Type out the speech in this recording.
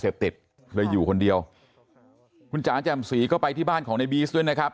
ไปอยู่คนเดียวคุณจ๋าแจ่มศรีก็ไปที่บ้านของในบีศด้วยนะครับ